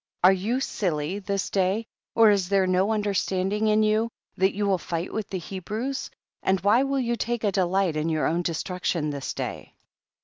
Are you silly this day, or is there no understanding in you, that you will fight with the Hebrews, and why will you take a delight in your own destruction this day